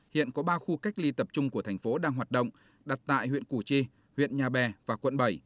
hiện có ba khu cách ly tập trung của thành phố đang hoạt động đặt tại huyện củ chi huyện nhà bè và quận bảy